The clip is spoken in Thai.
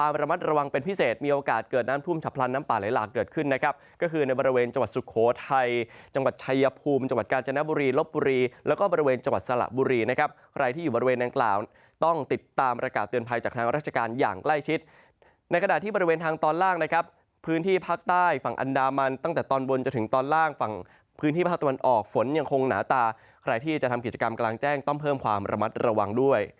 มีโอกาสเกิดน้ำพุ่มฉับพลันน้ำป่าไหลหลากเกิดขึ้นนะครับก็คือในบริเวณจังหวัดสุโคไทยจังหวัดชายภูมิจังหวัดกาญจนบุรีลบบุรีแล้วก็บริเวณจังหวัดสระบุรีนะครับใครที่อยู่บริเวณด้านกล่าวต้องติดตามระกาศเตือนภัยจากทางราชการอย่างใกล้ชิดในกระดาษที่บริเวณทางตอนล่าง